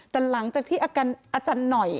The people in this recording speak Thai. แต่หลังจากที่อาจารย์หน่อย